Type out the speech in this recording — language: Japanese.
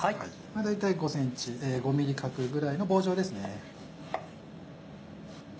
大体５ｍｍ角ぐらいの棒状ですね。